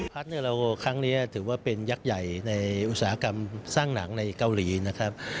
ครั้งนี้ถือว่าเป็นยักษ์ใหญ่ในอุตสาหกรรมสร้างหนังในเกาหลีนะครับ